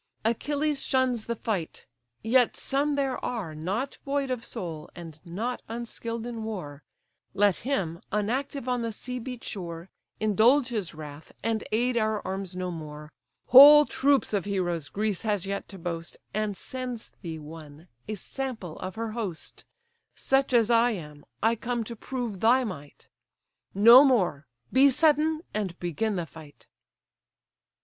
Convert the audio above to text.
Achilles shuns the fight; yet some there are, Not void of soul, and not unskill'd in war: Let him, unactive on the sea beat shore, Indulge his wrath, and aid our arms no more; Whole troops of heroes Greece has yet to boast, And sends thee one, a sample of her host, Such as I am, I come to prove thy might; No more—be sudden, and begin the fight."